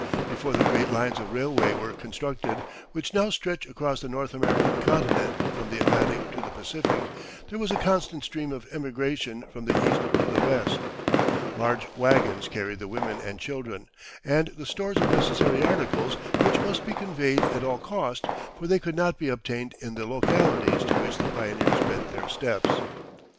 Before the great lines of railway were constructed, which now stretch across the North American continent from the Atlantic to the Pacific, there was a constant stream of emigration from the East to the West. Large waggons carried the women and children, and the stores of necessary articles, which must be conveyed at all cost, for they could not be obtained in the localities to which the pioneers bent their steps.